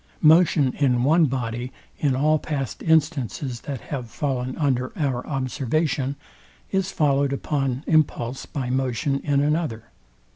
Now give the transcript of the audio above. Motion in one body in all past instances, that have fallen under our observation, is followed upon impulse by motion in another.